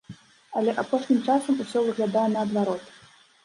Але апошнім часам усё выглядае наадварот.